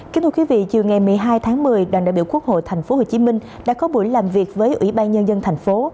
kính thưa quý vị chiều ngày một mươi hai tháng một mươi đoàn đại biểu quốc hội tp hcm đã có buổi làm việc với ủy ban nhân dân thành phố